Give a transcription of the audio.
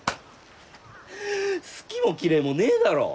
好きも嫌いもねえだろ。